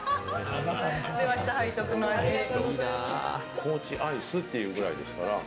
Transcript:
高知アイスというくらいですから。